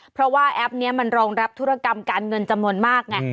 เพราะว่าแอปนี้มันรองรับธุรกรรมการเงินจำนวนมากไง